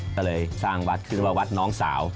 ก็เลยสร้างวัดขึ้นว่าวัดน้องสาว